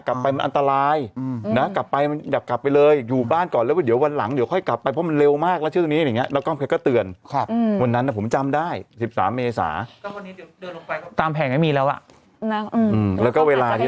ไม่รู้เหมือนกันแต่เมื่อกี้พอพูดถึงเรื่องนี้ก็เลย